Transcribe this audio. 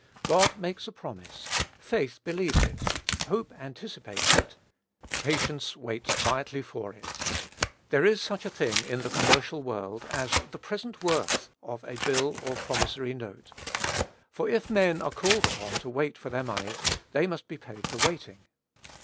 God makes a promise: faith believes it; hope anticipates it; patience waits quietly for it. There is such a thing in the commercial world as "the present worth" of a bill or promissory note; for if men are called upon to wait for their money, they must be paid for waiting.